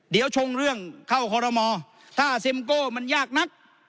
เดี๋ยวชงเรื่องเข้าคอรมอถ้าซิมโก้มันยากนัก